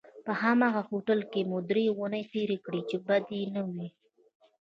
په هماغه هوټل کې مو درې اونۍ تېرې کړې چې بدې نه وې.